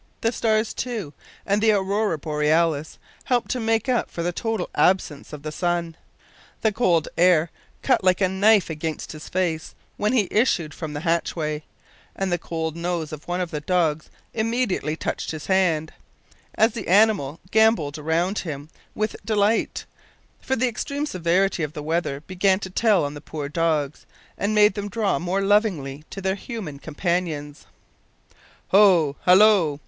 The stars, too, and the aurora borealis, helped to make up for the total absence of the sun. The cold air cut like a knife against his face when he issued from the hatchway, and the cold nose of one of the dogs immediately touched his hand, as the animal gambolled round him with delight; for the extreme severity of the weather began to tell on the poor dogs, and made them draw more lovingly to their human companions. "Ho! hallo!"